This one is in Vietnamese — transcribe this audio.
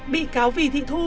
bị cáo vị thị thu